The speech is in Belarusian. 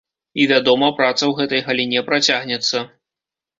І, вядома, праца ў гэтай галіне працягнецца.